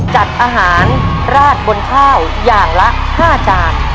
จัดอาหารราดบนข้าวอย่างละ๕จาน